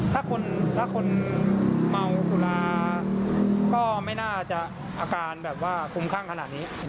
แต่ว่าถ้าคนเมาสุราก็ไม่น่าจะอาการคุ้มข้างขนาดนี้